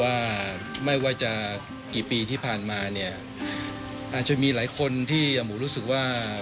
ว่าไม่ว่าจะกี่ปีที่ผ่านมาเนี่ยอาจจะมีหลายคนที่หมูรู้สึกว่า